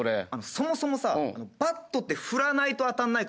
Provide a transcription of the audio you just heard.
そもそもさバットって振らないと当たらないからね。